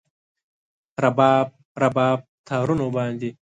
رباب، رباب تارونو باندې